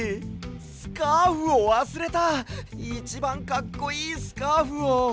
スカーフをわすれたいちばんかっこいいスカーフを。